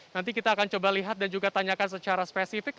nanti kita akan coba lihat dan juga tanyakan secara spesifik